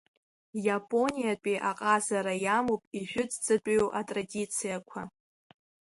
Иапониатәи аҟазара иамоуп ижәытәӡатәиу атрадициақәа.